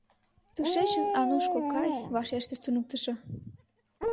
— Тушечын, Ануш кокай, — вашештыш туныктышо.